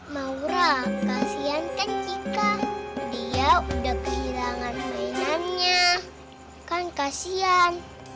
maura kasihan kan cika dia udah kehilangan mainannya kan kasihan